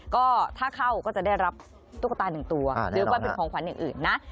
ก็ถ้าเข้าก็จะได้รับตุ๊กตาหนึ่งตัวหรือว่าเป็นของขวัญอย่างอื่นนะ